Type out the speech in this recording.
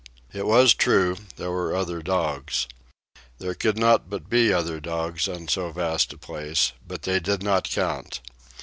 It was true, there were other dogs, There could not but be other dogs on so vast a place, but they did not count.